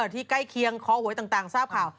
อ๋อที่ใกล้เคียงะขอโหยต่างทราบเผา